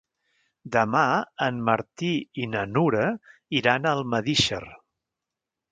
Demà en Martí i na Nura iran a Almedíxer.